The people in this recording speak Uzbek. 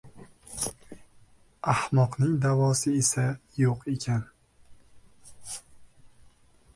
ahmoqning davosi esa yo‘q ekan.